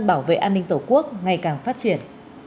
bảo vệ an ninh tổ quốc ngày càng phát triển